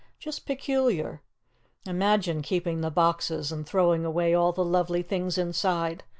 "Just peculiar. Imagine keeping the boxes and throwing away all the lovely things inside.